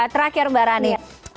terakhir mbak rani